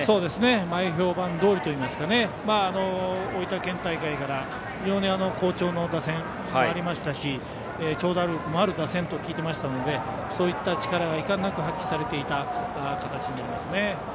前評判どおりというか大分県大会から好調の打線でしたし長打力もある打線と聞いていましたので、その力を発揮されていた形になりますね。